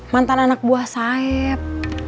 mantan anak buah sayap